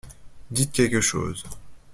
Dites quelque chose.